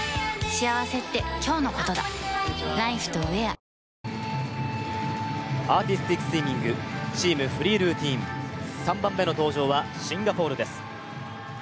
テクニカルルーティンをアーティスティックスイミングチーム・フリールーティン３番目の登場はシンガポールです。